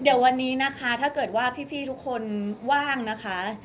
เดี๋ยววันนี้นะคะถ้าเกิดว่าพี่ทุกคนว่างนะคะ